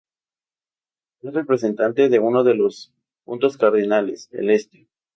Es representante de uno de los puntos cardinales, el este.